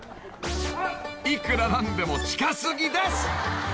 ［いくら何でも近過ぎです］